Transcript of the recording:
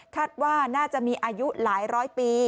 คาดว่าน่าจะมีอายุหลายร้อยปี